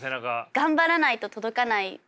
頑張らないと届かないところで。